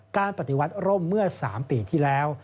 การปฏิวัติร่มเมื่อ๓ปีที่แล้ว